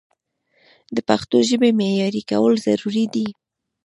د پښتو ژبې معیاري کول ضروري دي.